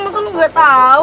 maksud lu nggak tau